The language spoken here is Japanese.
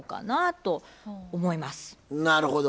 なるほど。